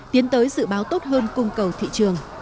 tiến tới dự báo tốt hơn cung cầu thị trường